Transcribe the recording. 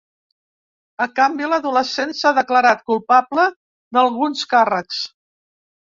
A canvi, l’adolescent s’ha declarat culpable d’alguns càrrecs.